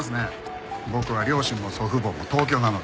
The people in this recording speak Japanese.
僕は両親も祖父母も東京なので。